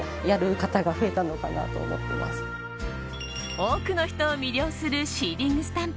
多くの人を魅了するシーリングスタンプ。